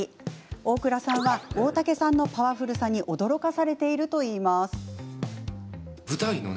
大倉さんは大竹さんのパワフルさに驚かされているといいます。